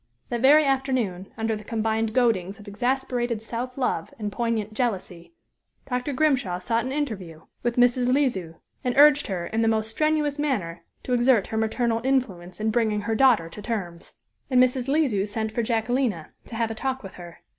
That very afternoon, under the combined goadings of exasperated self love and poignant jealousy, Dr. Grimshaw sought an interview with Mrs. L'Oiseau, and urged her, in the most strenuous manner, to exert her maternal influence in bringing her daughter to terms. And Mrs. L'Oiseau sent for Jacquelina, to have a talk with her.